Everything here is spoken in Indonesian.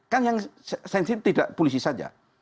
kan yang sensitif tidak polisi saja